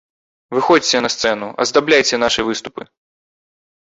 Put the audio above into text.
Выходзьце на сцэну, аздабляйце нашы выступы.